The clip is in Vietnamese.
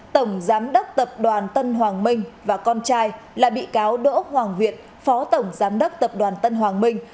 tổng giám đốc tập đoàn tân hoàng minh và con trai là bị cáo đỗ hoàng việt phó tổng giám đốc tập đoàn tân hoàng minh